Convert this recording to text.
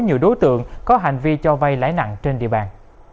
nhiều đối tượng có hành vi cho vay lãi nặng trên địa bàn